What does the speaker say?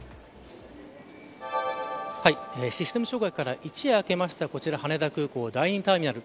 システム障害から一夜明けましたこちら羽田空港第２ターミナル。